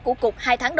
của cục hải quan tp hcm